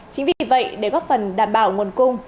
chính vì vậy để góp phần đảm bảo nguồn cung